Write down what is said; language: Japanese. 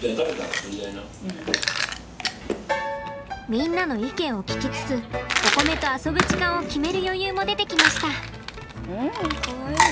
みんなの意見を聞きつつおこめと遊ぶ時間を決める余裕も出てきました。